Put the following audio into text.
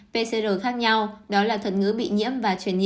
pcr khác nhau đó là thuật ngữ bị nhiễm và truyền thông